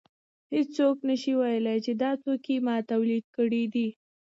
هېڅوک نشي ویلی چې دا توکی ما تولید کړی دی